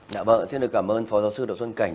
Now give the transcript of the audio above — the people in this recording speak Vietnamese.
dạ vâng xin được cảm ơn phó giáo sư đậu xuân cảnh